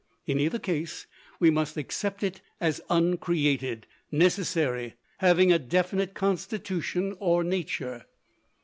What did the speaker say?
In either case, we must accept it as uncreated, necessary, having a definite constitution or nature.